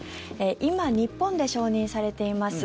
今、日本で承認されています